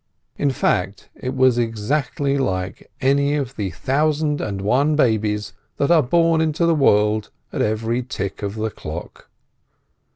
In fact, it was exactly like any of the thousand and one babies that are born into the world at every tick of the clock.